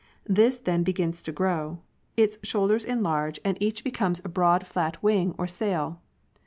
This then begins to grow; its shoulders enlarge and 97 each becomes a broad flat wing or sail.